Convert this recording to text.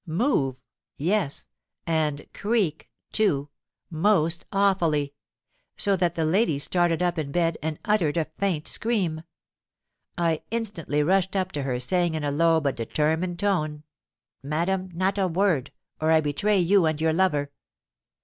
Move! yes—and creak, too, most awfully; so that the lady started up in bed, and uttered a faint scream. I instantly rushed up to her, saying in a low but determined tone, 'Madam, not a word—or I betray you and your lover!'